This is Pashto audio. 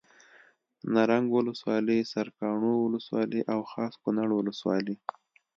نرنګ ولسوالي سرکاڼو ولسوالي او خاص کونړ ولسوالي